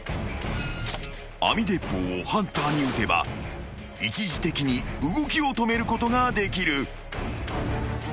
［網鉄砲をハンターに撃てば一時的に動きを止めることができる］